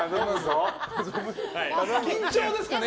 緊張ですかね？